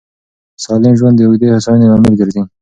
سالم ژوند د اوږدې هوساینې لامل ګرځي.